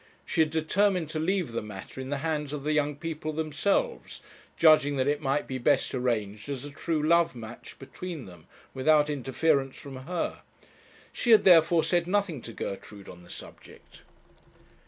She had determined to leave the matter in the hands of the young people themselves, judging that it might be best arranged as a true love match between them, without interference from her; she had therefore said nothing to Gertrude on the subject.